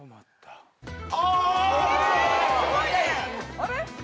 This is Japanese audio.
あれ？